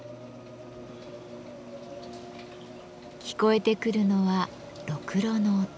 聞こえてくるのはろくろの音。